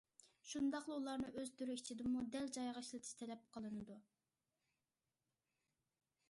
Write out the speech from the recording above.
شۇنداقلا ئۇلارنى ئۆز تۈرى ئىچىدىمۇ دەل جايىغا ئىشلىتىش تەلەپ قىلىنىدۇ.